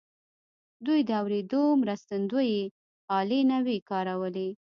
دوی د اورېدو مرستندويي الې نه وې کارولې.